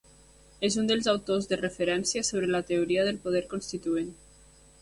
És un dels autors de referència sobre la teoria del poder constituent.